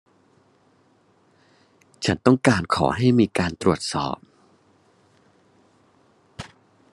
ฉันต้องการขอให้มีการตรวจสอบ